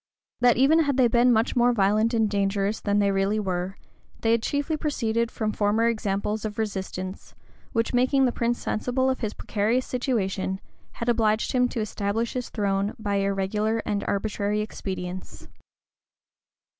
That even had they been much more violent and dangerous than they really were, they had chiefly proceeded from former examples of resistance, which, making the prince sensible of his precarious situation, had obliged him to establish his throne by irregular and arbitrary expedients.